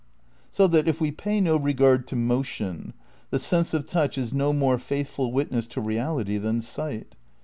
So that, if we pay no regard to motion, the sense of touch is no more faithful witness to reality than sight.